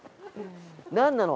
何なの？